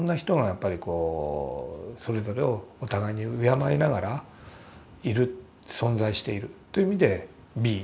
やっぱりこうそれぞれをお互いに敬いながらいる存在しているという意味でｂｅ。